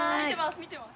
見てます